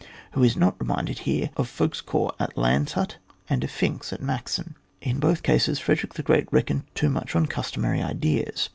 Who is not reminded here of Fouque's corps at Landshut, and of Fink's at Maxen ? In both cases Frederick the Great reckoned too much on customary ideas.